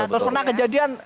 terus pernah kejadian